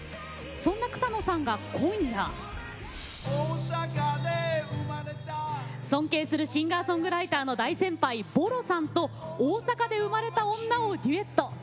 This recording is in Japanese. そんな草野さんが今夜、尊敬するシンガーソングライターの大先輩ＢＯＲＯさんと「大阪で生まれた女」をデュエット。